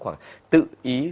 hoặc tự ý